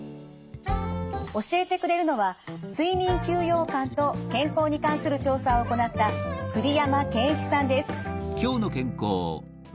教えてくれるのは睡眠休養感と健康に関する調査を行った栗山健一さんです。